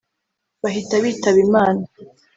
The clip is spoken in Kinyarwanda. bahita bitaba Imana